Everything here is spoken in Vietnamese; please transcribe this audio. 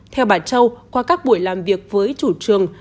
theo bà châu qua các buổi làm việc với chủ trường